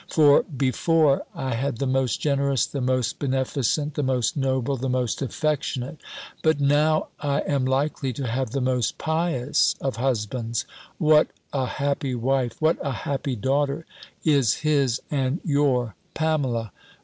For, before I had the most generous, the most beneficent, the most noble, the most affectionate, but now I am likely to have the most pious, of husbands! What a happy wife, what a happy daughter, is his and your Pamela!